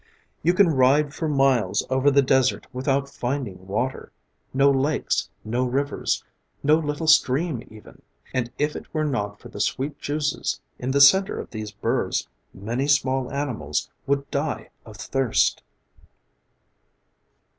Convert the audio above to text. You can ride for miles over the desert without finding water, no lakes, no rivers, no little stream even; and if it were not for the sweet juices in the center of these burrs many small animals would die of thirst.